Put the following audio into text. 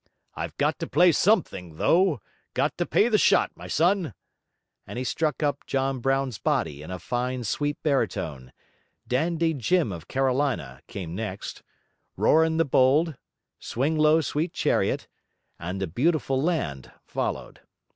'I've got to play something though: got to pay the shot, my son.' And he struck up 'John Brown's Body' in a fine sweet baritone: 'Dandy Jim of Carolina,' came next; 'Rorin the Bold,' 'Swing low, Sweet Chariot,' and 'The Beautiful Land' followed.